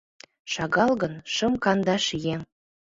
Шагал гын, шым-кандаш еҥ.